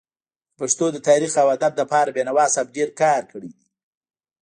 د پښتو د تاريخ او ادب لپاره بينوا صاحب ډير کار کړی دی.